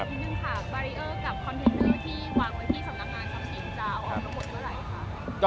บารเรียร์กับคอนเทนเนอร์ที่วางหน้าที่สำนักงานที่จะออกระบวนเวลาไหนครับ